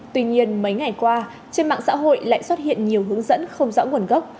tuy nhiên mấy ngày qua trên mạng xã hội lại xuất hiện nhiều hướng dẫn không rõ nguồn gốc